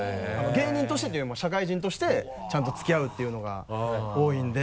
芸人としてというよりも社会人としてちゃんと付き合うっていうのが多いんで。